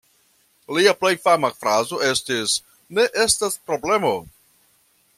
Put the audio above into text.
Lia plej fama frazo estis "Ne estas problemo".